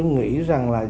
tôi nghĩ rằng là